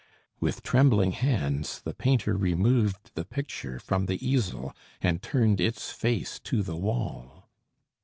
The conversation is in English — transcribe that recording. With trembling hands the painter removed the picture from the easel, and turned its face to the wall.